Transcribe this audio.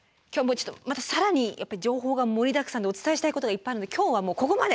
また更にやっぱり情報が盛りだくさんでお伝えしたいことがいっぱいあるので今日はもうここまで。